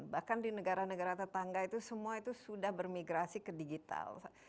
bahkan di negara negara tetangga itu semua itu sudah bermigrasi ke digital